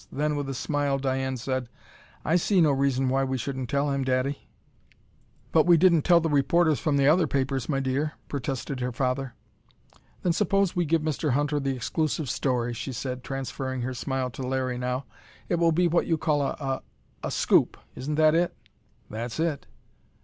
Then, with a smile, Diane said: "I see no reason why we shouldn't tell him, daddy." "But we didn't tell the reporters from the other papers, my dear," protested her father. "Then suppose we give Mr. Hunter the exclusive story," she said, transferring her smile to Larry now. "It will be what you call a a scoop. Isn't that it?" "That's it."